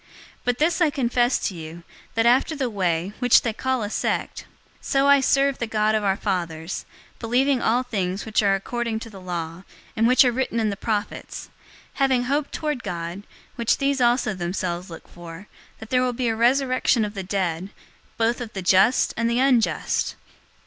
024:014 But this I confess to you, that after the Way, which they call a sect, so I serve the God of our fathers, believing all things which are according to the law, and which are written in the prophets; 024:015 having hope toward God, which these also themselves look for, that there will be a resurrection of the dead, both of the just and unjust.